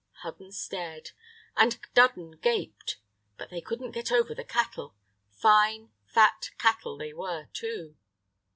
Hudden stared, and Dudden gaped; but they couldn't get over the cattle; fine, fat cattle they were, too.